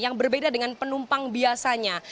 yang berbeda dengan penumpang biasanya